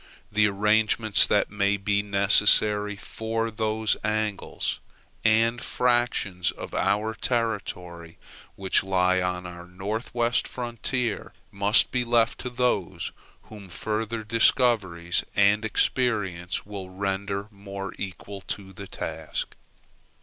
The arrangements that may be necessary for those angles and fractions of our territory which lie on our northwestern frontier, must be left to those whom further discoveries and experience will render more equal to the task.